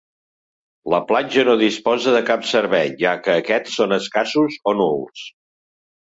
La platja no disposa de cap servei, ja que aquests són escassos o nuls.